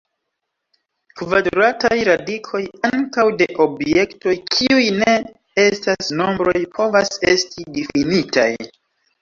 Kvadrataj radikoj ankaŭ de objektoj kiuj ne estas nombroj povas esti difinitaj.